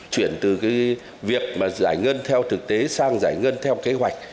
chuyển từ việc giải ngân theo thực tế sang giải ngân theo kế hoạch